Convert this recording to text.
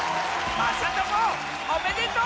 まさともおめでとう！